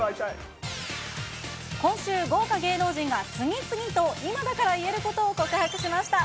今週、豪華芸能人が次々と今だから言えることを告白しました。